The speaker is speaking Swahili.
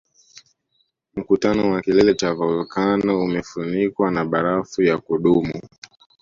Mkutano wa kilele cha volkano umefunikwa na barafu ya kudumu